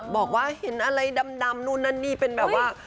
บอกว่าเห็นอะไรดำนู่นนั่นนี่เป็นแบบว่า